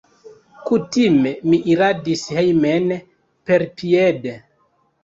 Kutime mi iradis hejmen perpiede.